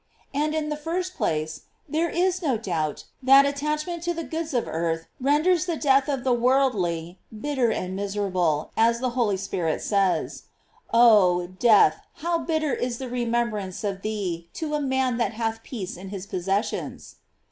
And in the first place, there is no doubt that attachment to the goods of earth renders the death of the worldly bitter and miserable, as the Holy Spirit says: "Oh! death, how bitter is the remembrance of thee to a man that hath peace in his possessions!"